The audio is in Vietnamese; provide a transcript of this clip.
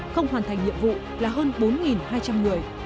không hoàn thành nhiệm vụ là hơn bốn hai trăm linh người